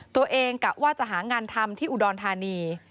กะว่าจะหางานทำที่อุดรธานี